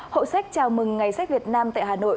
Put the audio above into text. hội sách chào mừng ngày sách việt nam tại hà nội